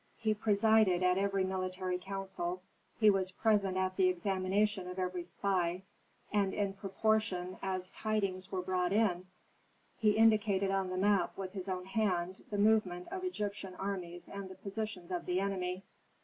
He presided at every military council, he was present at the examination of every spy, and in proportion as tidings were brought in, he indicated on the map with his own hand the movement of Egyptian armies and the positions of the enemy.